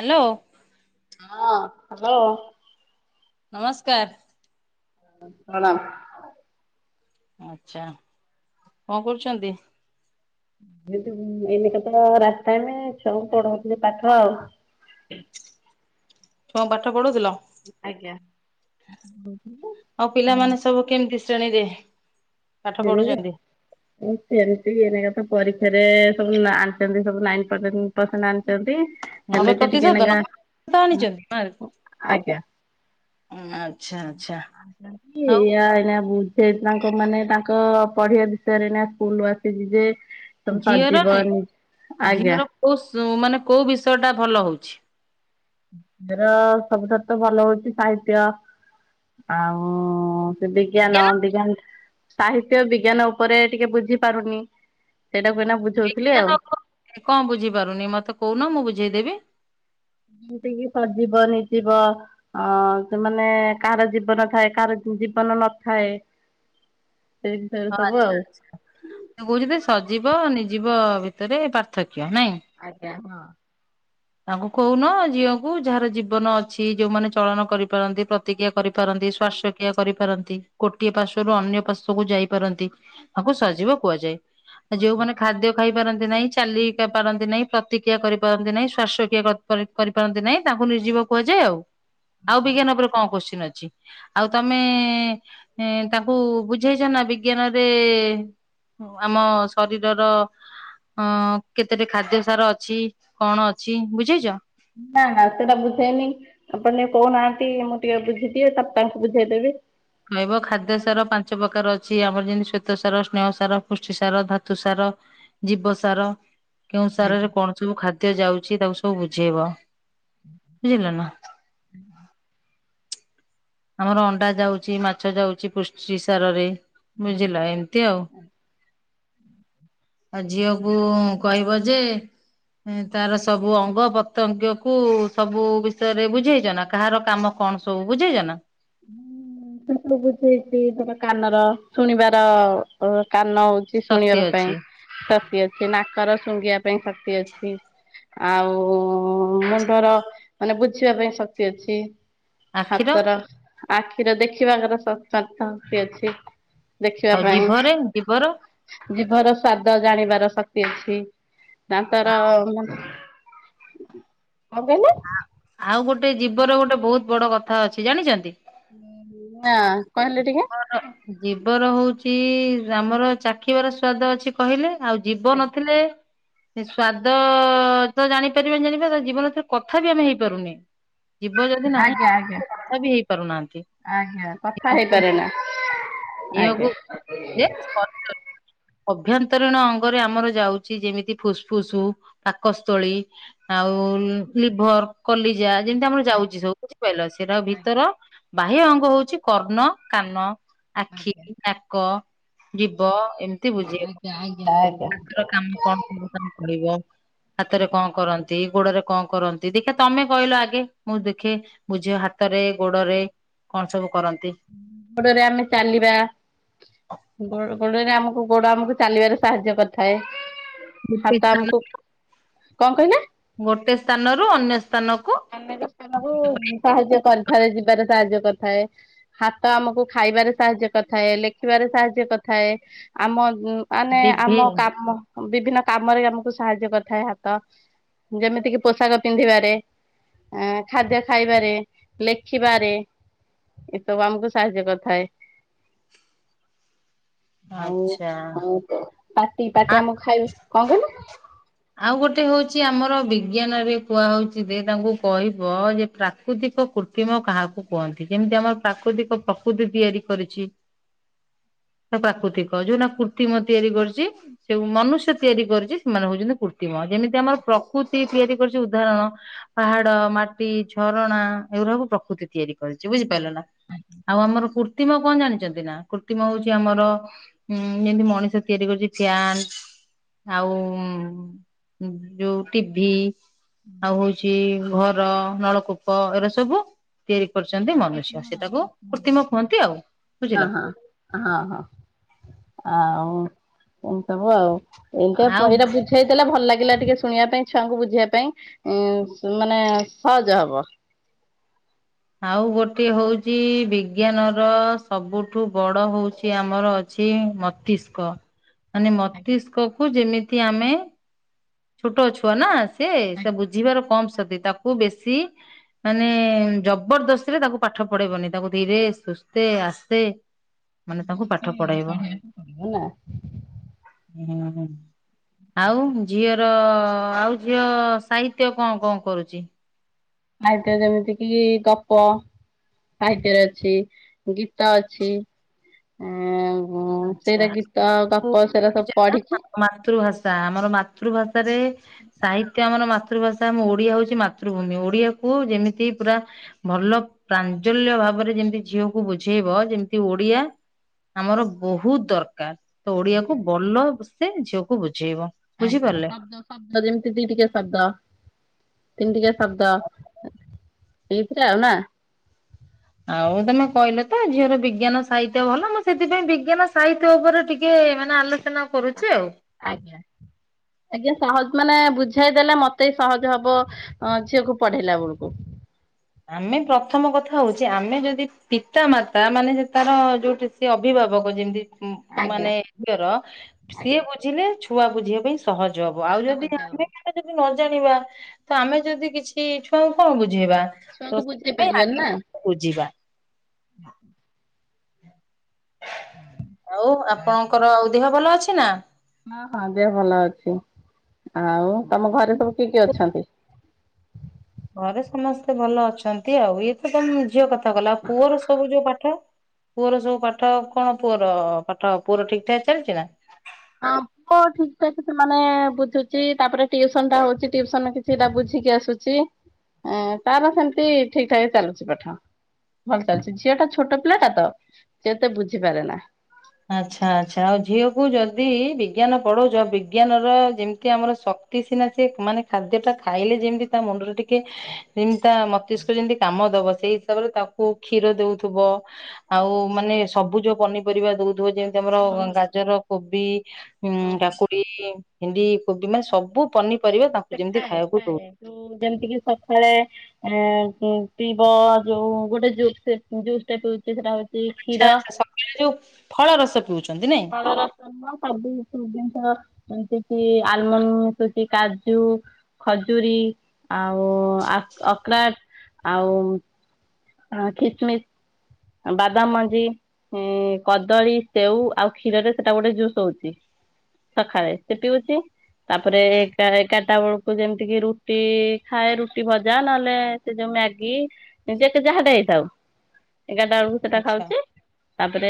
Hello. ହଁ hello. ନମସ୍କାର। ପ୍ରଣାମ। ଆଛା କଣ କରୁଛନ୍ତି? [unintelligible] ତ ରାସ୍ତାରେ ସବୁ ପଢଉ ଥିଲେ ପାଠ ଆଉ। କଣ ପାଠ ପଢୁଥିଲ? ଆଜ୍ଞା। ହୁଁ। ଆଉ ପିଲାମାନେ ସବୁ କେମିତି? ଶ୍ରେଣୀରେ। ପାଠ [unintelligible] ଏରେ ପଢୁଛନ୍ତି? ସବୁ ଆଣିଛନ୍ତି ସବୁ ନାଇ ପର ପରସେଣ୍ଟ ଆଣିଛନ୍ତି। ହେଲେ ନବେ ତ ଟିକେ ପ୍ରତିଶତ ନେକା ନବେ ପ୍ରତିଶତ ଆଣିଛନ୍ତି ମାର୍କ ଆଜ୍ଞା ଆଚ୍ଛା ଆଚ୍ଛା ଆଉ ବୁଝ ତାଙ୍କ ମାନେ ତା ତ ପଢ଼ିବା ବିଷୟରେ ନା ସ୍କୁଲୁ ଆସିଛି ଯେ ସବୁ ଝିଅର ନୁହେଁ ସଜୀବନୀ କି ଆଜ୍ଞା ଝିଅର କୋଉ ସ ମାନେ କୋଉ ବିଷୟ ଟା ଭଲ ହଉଛି? ଛି ର ସବୁଠାରୁ ତ ଭଲ ହଉଛି ସାହିତ୍ୟ ଆଉ ସେ ବିଜ୍ଞାନ ଜ୍ଞାନ ବିଜ୍ଞାନ ସାହିତ୍ୟ ବିଜ୍ଞାନ ଉପରେ ଟିକେ ବୁଝି ପାରୁନି। ସେଇଟାକୁ ଏଇନା ବୁଝଉଥିଲି ଆଉ। ବିଜ୍ଞାନ ଉପରେ କଣ ବୁଝିପାରୁନି ମତେ କହୁନ ମୁଁ ବୁଝ ବୁଝେଇ ଦେବି। ଯେମିତି କିି ସଜୀବ ନିରଜିବ ଅ ସେମାନେ କାହାର ଜୀବନ ଥାଏ କାହାର ଜୀବନ ନଥାଏ। ସେ ବିଷୟରେ ସବୁ ଆଚ୍ଛା ଆଉ। ଆଚ୍ଛା ତ କହୁଛ ସଜିବ ନିର୍ଜିବ ବି ରେ ପାର୍ଥକ୍ୟ। ନାଇଁ। ଆଜ୍ଞା ହଁ। ତାଙ୍କୁ କହୁନ ଝିଅକୁ ଯାହାର ଜୀବନ ଅଛି ଯୋଉମାନେ ଚଳନ କରିପାରନ୍ତି ପ୍ରତିକ୍ରିୟା କରିପାରନ୍ତି ଶ୍ୱାସକ୍ରିୟା କରିପାରନ୍ତି ଗୋଟିଏ ପାର୍ଶ୍ଵରୁ ଅନ୍ୟ ପାର୍ଶ୍ଵକୁ ଯାଇପାରନ୍ତି। ତାକୁ ସଜୀବ କୁହାଯାଏ। ଆ ଯୋଉମାନେ ଖାଦ୍ୟ ଖାଇ ପାରନ୍ତି ନାହିଁ ଚାଲି ପାରନ୍ତି ନାହିଁ ପ୍ରତିକ୍ରିୟା କରିପାରନ୍ତି ନାହିଁ ଶ୍ୱାସକ୍ରିୟା କରିପାରନ୍ତି ନାହିଁ ତାଙ୍କୁ ନି ଯିବ କୁହାଯାଏ ଆଉ ଆଉ ବିଜ୍ଞାନ ଉପରେ କଣ କୋଶ୍ଚିନ୍ ଅଛି ଆଉ ତମେ ତାଙ୍କୁ ବୁଝେଇଛ ନା ବିଜ୍ଞାନରେ ଆମ ଶରୀରର ଅ କେତେଟ ଖାଦ୍ୟ ସାର ଅଛି କଣ ଅଛି ଅଛି ବୁଝେଇଛ ନା ସେଟା ବୁଝେଇନି ଆପଣ ଟିକେ କହୁନାହାନ୍ତି ମୁଁ ଟିକେ ବୁଝିଦିଏ ତପ ତାଙ୍କୁ ବୁଝେଇଦେବି ହବ ଖାଦ୍ୟ ସାର ପାଞ୍ଚ ପ୍ରକାର ଅଛି ଆମର ଯେମିତି ଶ୍ଵେତ ସାର ସ୍ନେହ ସାର ପୁଷ୍ଟି ସାର ଧାତୁ ସାର ଜୀବସାର କେଉଁ ସାରରେ କଣ ସବୁ ଖାଦ୍ୟ ଯାଉଛି ତାକୁ ସବୁ ବୁଝେଇବ ବୁଝିଲ ନା ହଁ ହ ଆମର ଅଣ୍ଡା ଯାଉଛି ମାଛ ଯାଉଛି ପୁଷ୍ଟି ସାର ରେ। ବୁଝିଲ ଏମିତି ଆଉ। ଆଉ ଝିଅକୁ। କହିବ ଯେ ତାର ସବୁ ଅଙ୍ଗ ପ୍ରତ୍ୟଙ୍ଗ କୁ ସବୁ ବିଷୟରେ ବୁଝେଇଛ ନା କାହାର କାମ କଣ ସବୁ ବୁଝେଇଛ ନା। ସେ ସବୁ ବୁଝେଇଛି ଧାର କାନର ଶୁଣିବାର ଅ କାନ ହଉଛି ଶକ୍ତି ଶୁଣିବା ପାଇଁ। ଅଛି ଶ ଅଛି ନାକର ଶୁଙ୍ଘିବା ପାଇଁ ଶକ୍ତି ଅଛି, ଆଉ ମୁଣ୍ଡର ମାନେ ବୁଝିବା ପାଇଁ ଶକ୍ତି ଅଛି। ଆଖିର ହାତର ଆଖିର ଦେଖିବାଙ୍କର ସକ ସକ ଶକ୍ତି ଅଛି। ଦେଖିବା ଆଉ ପାଇଁ ଜିଭରେ ଜିଭର ଜୀଭର ସ୍ଵାଦ ଜାଣିବାର ଶକ୍ତି। ଅଛି। ଦାନ୍ତର କଣ୍ କହିଲେ? ଆଉ ଗୋଟେ ଜୀବର ଗୋଟେ ବହୁତ ବଡ କଥା ଅଛି, ଜାଣିଛନ୍ତି? ହ ହଁ କହିଲେ ଟିକେ। ଜିବର ହଉଚି ଆମର ଚାଖିବାର ସ୍ଵାଦ ଅଛି କହିଲେ। ଆଉ ଜିଭ ନ ଥିଲେ। ସେ ସ୍ଵାଦ ତ ଜାଣିପାରିବାନି ଜାଣିପାରିବନି ଜୀବ ନ ଥିଲେ କଥା ବି ଆମେ ହେଇପାରୁନେ। ଜୀବ ଯଦି ନାହିଁ ଆଜ୍ଞା ଆଜ୍ଞା କଥା ବି ହେଇପାରୁନାହାନ୍ତି। ଆଜ୍ଞା କଥା ହେଇ। ଦେହକୁ ପାରେ ବୁଝେ ନା ଆଜ୍ଞ। ଶରୀର ଅଭ୍ୟନ୍ତରୀଣ ଅଙ୍ଗରେ ଆମର ଯାଉଛି ଯେମିତି ଫୁସଫୁସ୍, ପାକସ୍ଥଳୀ ଆଉ ଲିଭର କଲିଜା। ଯେମିତି ଆମର ଯାଉଛି ସବୁ ବୁଝି ପାରିଲ ସେଇଟା ଭିତର। ବାହ୍ୟ ଅଙ୍ଗ ହଉଛି କର୍ଣ୍ଣ। କାନ ଆଖି, ନାକ, ଜିଭ ଏମିତି ବୁଝେଇବ। ଠାକୁର କାମ କଣ କରିବ ତମେ କହିବ? ହାତରେ କଣ କରନ୍ତି? ଗୋଡରେ କଣ କରନ୍ତି? ଦେଖିଆ ତମେ କହିଲ ଆଗେ ମୁଁ ଦେଖେ ବୁଝେଇବ ହାତରେ ଗୋଡରେ କଣ ସବୁ କରନ୍ତି? ଗୋଡରେ ଆମେ ଚାଲିବା ଗୋ-ଗୋଡରେ ଆମୁ କୁ ଗୋଡ ଆମକୁ ଚାଲିବାରେ ସାହାଯ୍ୟ କରିଥାଏ। ଗୋଟେ ହାତ ଆମକୁ ସ୍ଥାନରୁ, କଣ କହିଲେ? ଗୋଟେ ସ୍ଥାନରୁ ଅନ୍ୟ ସ୍ଥାନ ଆମେ ବି ସେମାଙ୍କୁ ସାହାଯ୍ୟ କରିଥାଏ ଯିବାର ସାହାଯ୍ୟ କରିଥାଏ, ହାତ ଆମକୁ ଖାଇବାରେ ସାହାଯ୍ୟ କରିଥାଏ, ଲେଖିବାରେ ସାହାଯ୍ୟ କରିଥାଏ, ଆମ ଉଁ ମାନେ ବିଭି ଆମ କାମ ବିଭିନ୍ନ କାମରେ ଆମକୁ ସାହାଯ୍ୟ କରିଥାଏ ହାତ ଯେମିତିକି ପୋଷାକ ପିନ୍ଧିବାରେ ଆ ଖାଦ୍ୟ ଖାଇବାରେ, ଲେଖିବାରେ ଏସବୁ ଆମକୁ ସାହାଯ୍ୟ କରିଥାଏ। ଆଉ ଆଚ୍ଛା ଆଉ ପାଟି ପାଟି ଆ ଆମକୁ ଖାଇବି କଣ କହିଲ? ତି ହୋଉଚି ଆମର ବିଜ୍ଞାନରେ କୁହା ହୋଉଚି ଯେ ତାଙ୍କୁ କହିବ ଯେ ପ୍ରାକୃତିକ କୃତ୍ରିମ କାହାକୁ କୁହନ୍ତି? ଯେମିତି ଆମର ପ୍ରାକୃତିକ ପ୍ରକୃତି ତିଆରି କରିଚି। ଟା ପ୍ରାକୃତିକ ଯୋଉ ନା ପୂ ତିମ ତିଆରି କରୁଚି। ସେ ମନୁଷ୍ୟ ତିଆରି କରିଚି ସେମାନେ ହୋଉଚନ୍ତି କୃତ୍ରିମ ଯେମିତି ଆମର ପ୍ରକୃତି ତିଆରି କରୁଚି ଉଦାହରଣ ପାହାଡ, ମାଟି, ଝରଣା ଏଉରାକୁ ପ୍ରକୃତି ତିଆରି କରିଚି ବୁଝିପାରିଲ ନା ଆଉ ଆମର କୃତ୍ରିମ କଣ ଜାଣିଛନ୍ତି ନା କୃତ୍ରିମ ହୋଉଚି ଆମର ଉଁ ଯେମିତି ମଣିଷ ତିଆରି କରିଚି ଫ୍ୟାନ ଆଉ ଯୋଉ ଟିଭି ଆଉ ହୋଉଚି ଘ ର ନଳକୂପ ଏଉରା ସବୁ ତିଆରି କରିଚନ୍ତି ମନୁଷ୍ୟ ସେ ତାକୁ କୃତ୍ରିମ କୁହନ୍ତି ଆଉ। ବୁଝିଲ? ହଁ ହଁ ହଁ ହଁ। ଏମତି ସବୁ ଆଉ। ଏମିତିଆ ଆଉ [unintelligible] ଏଇଟା ବୁଝେଇ ଦେଲା ଭଲ ଲାଗେ ଲାଗିଲା ଟିକେ ଶୁଣିବା ପାଇଁ ଛୁଆଙ୍କୁ ବୁଝେଇବା ପାଇଁ ଉଁ ମାନେ ସହଜ ହବ। ଆଉ ଗୋଟେ ହଉଛି ବିଜ୍ଞାନ ର ସବୁଠୁ ବଡ ହଉଛି ଆମର ଅଛି ମସ୍ତିଷ୍କ। ମାନେ ମସ୍ତିଷ୍କ କୁ ଯେମିତି ଆମେ ଛୋଟ ଛୁଆ ନା ସେ ସେ ବୁଝିବାର କମ୍ ଶକ୍ତି ତା କୁ ବେଶୀ ମାନେ ଜବରଦସ୍ତି ରେ ତାକୁ ପାଠ ପଢେଇବନି ତାକୁ ଧୀରେ ସୁସ୍ଥେ ଆସ୍ତେ ମାନେ ତାଙ୍କୁ ପାଠ ପଢେଇବ। [unintelligible] ହେଲା। ହୁଁ ହୁଁ। ଆଉ ର ଆଉ ଝିଅ ସାହିତ୍ୟ କଣ କଣ କରୁଛି? ସାହିତ୍ୟ ଯେମିତି କିି ଗପ ସାହିତ୍ୟରେ ଅଛି ଗୀତ ଅଛି ଆ ଆଚ୍ଛା ସବୁ ପଢିକି ମାତୃଭାଷା ଆମର ମାତୃଭାଷାରେ ସାହିତ୍ୟ ଆମର ମାତୃ ମାତୃଭାଷା ଆମ ଓଡିଆ ହଉଛି ମାତୃଭୂମି ଓଡିଆକୁ ଯେମିତି ପୁରା ଭଲ ପ୍ରାଞ୍ଜଲ୍ୟ ଭାବରେ ଯେମିତି ଝିଅକୁ ବୁଝେଇବ ଯେମିତି ଓଡିଆ ଆମର ବହୁତ ଦରକାର। ତ ଓଡିଆକୁ ଭଲ ସେ ଝିଅକୁ ବୁଝ ଆଜ୍ଞା ଶବ୍ଦ ଶବ୍ଦ ଯେମିତି ଦି ଟିକିଆ ଶବ୍ଦ ତିନି ଟିକିଆ ଶବ୍ଦ ଏଥିରେ ଆଉ ନା ଆଉ ତମେ କହିଲ ତ ଝିଅର ବିଜ୍ଞାନ ସାହିତ୍ୟ ଭଲ ମୁଁ ସେଥିପାଇଁ ବିଜ୍ଞାନ ସାହିତ୍ୟ ଉପରେ ଟିକେ ମାନେ ଆଲୋଚନା କରୁଛି ଆଉ। ଆଜ୍ଞା ଆଜ୍ଞା ସହଜ ମାନେ ବୁଝାଇଦେଲେ ମତେ ସହଜ ହବ ଝିଅକୁ ପଢେଇଲାା ବେଳକୁ। ଆମେ ପ୍ରଥମ କଥା ହଉଛି ଆମେ ଯଦି ପିତା ମାତା ମାନେ ତାର ଯୋଉଠି ସେ ଅଭିଭାବକ ଯେମିତି। ମାନେ ଝିଅର ସିଏ ବୁଝିଲେ ଛୁଆ ବୁଝିବା ପାଇଁ ସହ ଯବ ଆଉ ଯଦି ଆମେ ଯଦି ଜାଣିବା ତ ଆମେ ଯଦି କିଛି ଛୁଆଙ୍କୁ କଣ ବୁଝେଇବା। ତ ଛୁଆଙ୍କୁ ବୁଝେଇ ସେଥିପାଇଁ ପାରିବେନି ଆଗେ ଆମେ ନା ବୁଝିବା। [unintelligible] ଆଉ ଆପଣଙ୍କର ଆଉ ଦେହ ଭଲ ଅଛ ନା ହଁ ହଁ ଦେହ ଭଲ ଅଛି ଆଉ ତମ ଘରେ ସବୁ କେ କିଏ କିଏ ଅଛନ୍ତି। ଘରେ ସମସ୍ତେ ଭଲ ଅଛନ୍ତି ଆଉ ଇଏ ତ ତମ ଝିଅ କଥା ଗଲା ଆଉ ପୁଅର ସବୁ ଯୋଉ ପାଠ ପୁଅର ସବୁ ପାଠ କଣ ପୁଅର ପାଠ ପୁଅର ଠିକ୍ ଠାକ୍ ଚାଲିଛି ନା। ହଁ ପୁଅ ଠିକ୍ ଠାକ୍ ସେମାନେ ବୁଝୁଛି ତାପରେ ଟିୟୁସନ ଟା ହଉଛି ଟିୟୁସନ ରୁ କିଛିଟା ବୁଝିକି ଆସୁଛି ତାର ସେମିତି ଠିକ୍ ଠାକ୍ ଚଳୁଛି ପାଠ ଝିଅଟା ଛୋଟ ପିଲାଟା ଟ ଏତେ ବୁଝି ପାରେନା। ଆଚ୍ଛା ଆଚ୍ଛା ଆଉ ଝିଅକୁ ଯଦି ବିଜ୍ଞାନ ପଢଉଛ ବିଜ୍ଞାନର ଯେମିତି ଆମର ଶକ୍ତି ସିନା ସେ ମାନେ ଖାଦ୍ୟ ଟା ଖାଇଲେ ଯେମତି ତା ମୁଣ୍ଡରେ ଟିକେ ଯେମିତି ତା ମସ୍ତିଷ୍କ ଯେମିତି କାମ ଦବ ସେଇ ହିସାବରେ ତାକୁ କ୍ଷୀର ଦଉଥିବ ଆଉ ମାନେ ସବୁଜ ପନିପରିବା ଦଉ [unintelligible] ତ ଆମର ଗାଜର କୋବି ହୁଁ କାକୁଡିୀ ଭେଣ୍ଡି କୋବି ନା ସବୁ ପନି ସେ ଖାଏ ଖାଏ ଯେମିତି କି ସକାଳେ ଆ ଁ ପିବ ଯୋଉ ଗୋଟେ ଜୁସ୍ ଜୁସ୍ ଟାଇପ୍ ସେଟା ହଉଛି ଆଚ୍ଛା କ୍ଷୀର ଆଛା ସକାଳେ ଯୋଉ ଫଳ ରସ ପିଉଛନ୍ତି ନାଇଁ [unintelligible] ଯେମିତି ଆଲ୍ମଣ୍ଡ ମିଶୁଚି, କାଜୁ, ଖଜୁରୀ ଆଉ ଆ ଅଖ୍ରୋଟ ଆଉ। ହଁ କିସମିସ୍। ବାଦାମ ମଞ୍ଜି, କଦଳୀ, ସେଉ ଆଉ କ୍ଷୀରରେ ସେଟା ଗୋଟେ ଜୁସ୍ ହଉଚି ସକାଳେ। ସେ ପିଉଚି ତାପରେ ଏଗାରଟା ବେଳକୁ ଯେମିତିକି ରୁଟି ଖାଏ। ରୁଟି ଭଜା ନହେଲେ ସେ ଯଉ ମ୍ୟାଗି ଯାହାଟେ ହେଇଥାଉ। ଏଗାରଟା ବେଳକୁ ସେଟା ଆଚ୍ଛା ଖାଉଚି। ତାପରେ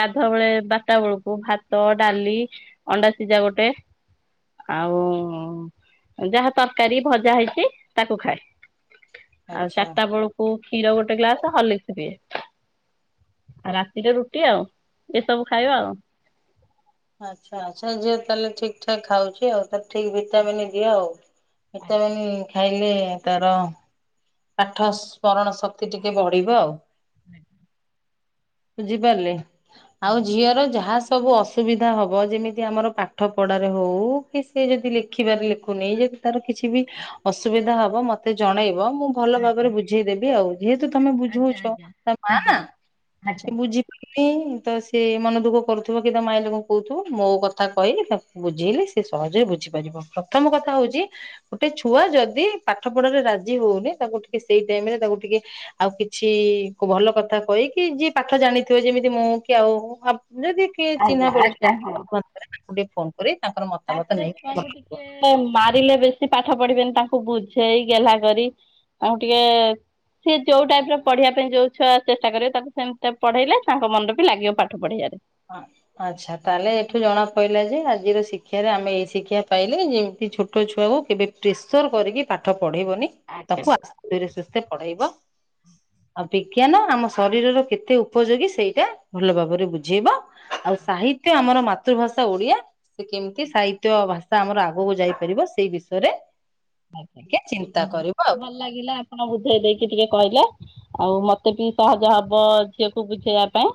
ଗାଧୁଆ ବେଳେ ବାରଟା ବେଳକୁ ଭାତ, ଡାଲି, ଅଣ୍ଡା ସିଝା ଗୋଟେ ଆଉ ଯାହା ତରକାରୀ ଭଜା ହେଇଚି ତାକୁ ଖାଏ। ଆଉ ଆଚ୍ଛା ଚାରିଟା ବେଳକୁ କ୍ଷୀର ଗୋଟେ ଗ୍ଲାସ ହର୍ଲିକ୍ସ। ଏ। ଆଉ ରାତିରେ ରୁଟି ଆଉ ଏସବୁ ଖାଇବା ଆଉ। ଆଛା ଆଚ୍ଛା। ଝିଅ ତାହେଲେ ଠିକ୍ ଠାକ୍ ଖାଉଚି ଆଉ। ଠିକ୍ ଭିଟାମିନ ଦିଅ ଆଉ ଭିଟାମିନି ଖାଇଲେ ତାର ପାଠ ସ୍ମରଣ ଶକ୍ତି ଟିକେ ବଢିବ ଆଉ। ହୁଁ। ବୁଝି ପାରିଲେ? ଆଉ ଝିଅର ଯାହା ସବୁ ଅସୁବିଧା ହବ ଯେମିତି ଆମର ପାଠ ପଢାରେ ହଉ କି ସେ ଯଦି ଲେଖିବାରେ ଲେଖୁନି ଯଦି ତାର କିଛି ବି ଅସୁବିଧା ହବ ମୋତେ ଜଣେଇବ ମୁ ଭଲ ଭାବରେ ବୁଝେଇଦେବି ଆଉ। ଯେହେତୁ ତମେ ବୁଝଉଚ, ତା ମାଆ ନା ସେ ବୁଝି ପ ଇ, ତ ସିଏ ମନ ଦୁଃଖ କରୁଥିବ କି ତା ମାଇଣ୍ଡରେ କଣ କହୁଥିବ। ମୋ କଥା କହିଲେ ତାକୁ ବୁଝେଇଲି ସିଏ ସହଜରେ ବୁଝିପାରିବ। ପ୍ରଥମ କଥା ହଉଚି ଗୋଟେ ଛୁଆ ଯଦି ପାଠ ପଢାରେ ରାଜି ହଉନି ତାକୁ ଟିକେ ସେଇ ଟାଇମରେ ତାକୁ ଟିକେ ଆଉ କିଛି କ ଭଲ କଥା କହିକି ଯିଏ ପାଠ ଜାଣିଥିବ ଯେମିତି ମୁଁ କି ଆଉ ଯଦି କିଏ ଚିହ୍ନା ପରିଚରେ [unintelligible] ଗୋଟେ ଫୋନ୍ ତାପରେ ଛୁଆଙ୍କୁ ଟିକେ ମାରିଲେ ବେଶୀ ପାଠ ପଢିବେନି। ତାଙ୍କୁ ବୁଝେଇ ଗେହ୍ଲା କରି ତାଙ୍କୁ ଟିକେ ସିଏ ଯୋଉ ଟାଇପ ର ପଢିବା ପାଇଁ ଯୋଉ ଛୁଆ ଚେଷ୍ଟା କରିବେ ତାକୁ ସେମିତି ପଢେଇଲେ ତାଙ୍କ ମନ ବି ଲାଗିବ ପାଠ ପଢିବାରେ। ଆଚ୍ଛା, ତାହେଲେ ଏଠୁ ଜଣା ପଡିଲା ଯେ ଆଜିର ଶିକ୍ଷାରେ ଆମେ ଏଇ ଶିକ୍ଷା ପାଇଲେ ଯେମିତି ଛୋଟ ଛୁଆକୁ କେବେ ପ୍ରେସର କରିକି ପାଠ ପଢେଇବନି। ତାକୁ ଆଜ୍ଞା। ଆଦର ସହିତ ପଢେଇବ। ଆଉ ବିଜ୍ଞାନ ଆମ ଶରୀରର କେତେ ଉପଯୋଗୀ ସେଇଟା ଭଲ ଭାବରେ ବୁ ବୁଝେଇବ ଆଉ ସାହିତ୍ୟ ଆମର ମାତୃଭାଷା ଓଡିଆ ସେ କେମିତି ସାହିତ୍ୟ ଭାଷା ଆମର ଆଗକୁ ଯାଇପାରିବ ସେଇ ବିଷୟରେ ଟିକେ ଆଜ୍ଞା ଚିନ୍ତା ଆଜ୍ଞା। କରିବ ଆଉ। ଭଲ ଲାଗିଲା ଆପଣ ବୁଝେଇ ଦେଇକି ଟିକେ କହିଲେ। ଆଉ ମତେ ବି ସହଜ ହବ ଝିଅକୁ ବୁଝେଇବା ପାଇଁ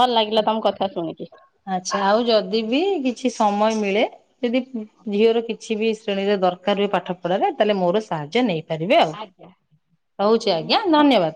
ଭଲ ଲାଗିଲା ତମ କଥା ଶୁଣିକି। ଆଚ୍ଛା ଆଉ ଯଦି ବି କିଛି ସମୟ ମିଳେ ଯଦି ଝିଅର କିଛି ବି ଶ୍ରେଣୀରେ ଦରକାର ହୁଏ, ପାଠ ପଢ଼ାରେ ତାହେଲେ ମୋର ସାହାଯ୍ୟ ନେଇ ଆଜ୍ଞା ଆଜ୍ଞା ନମସ୍କାର। ଧନ୍ୟବାଦ